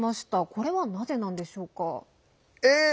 これは、なぜでしょうか？